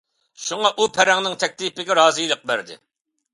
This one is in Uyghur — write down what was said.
شۇڭا ئۇ پەرەڭنىڭ تەكلىپىگە رازىلىق بەردى.